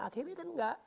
akhirnya kan enggak